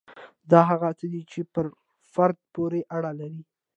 دا هغه څه دي چې پر فرد پورې اړه لري.